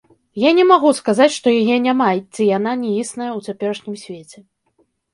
Я не магу сказаць, што яе няма ці яна не існая ў цяперашнім свеце.